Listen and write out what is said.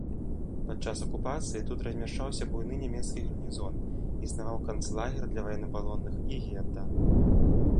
Падчас акупацыі тут размяшчаўся буйны нямецкі гарнізон, існаваў канцлагер для ваеннапалонных і гета.